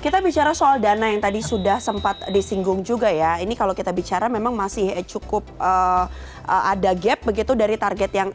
kita bicara soal dana yang tadi sudah sempat disinggung juga ya ini kalau kita bicara memang masih cukup ada gap begitu dari target yang